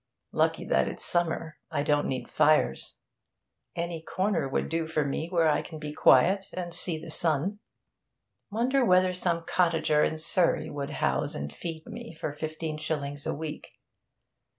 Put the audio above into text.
Lucky that it's summer; I don't need fires. Any corner would do for me where I can be quiet and see the sun.... Wonder whether some cottager in Surrey would house and feed me for fifteen shillings a week?...